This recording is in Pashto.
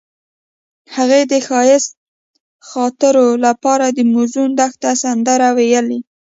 هغې د ښایسته خاطرو لپاره د موزون دښته سندره ویله.